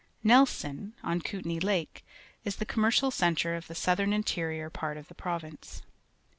Nelson, on Kootenay Lake, is the commercial centre of the .southern interior part of the province.